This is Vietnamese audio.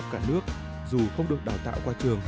cả nước dù không được đào tạo qua trường